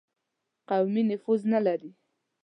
قومي نفوذ نه لري.